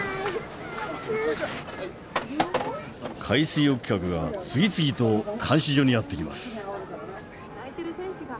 海水浴客が次々と監視所にやって来ます。